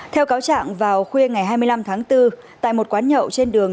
theo cáo trạng vào khuya ngày hai mươi năm tháng bốn tại một quán nhậu trên đường